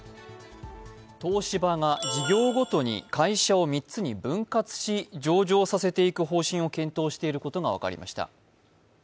東芝が企業ごとに会社を３つに分割し、上場させていく方針を検討していることが分かりました。